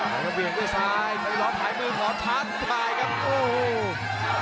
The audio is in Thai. ซ้ายเลี่ยงด้วยซ้ายคารีลอฟถ่ายมือหรอกทักช่ายกันโอ้โห